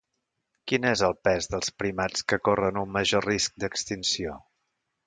Quin és el pes dels primats que corren un major risc d'extinció?